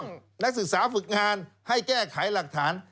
นักศึกษาฝึกงานให้แก้ไขหลักฐาน